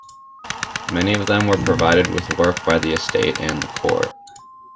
Many of them were provided with work by the estate and the court.